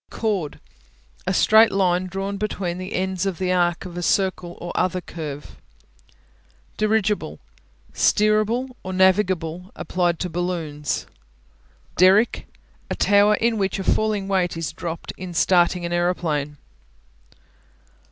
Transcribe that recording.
Chord A straight line drawn between the ends of the arc of a circle or other curve. Dirigible (dir' igihle) Steerable or navigable; applied to balloons. Derrick A tower in which a falling weight is dropped in starting an aeroplane.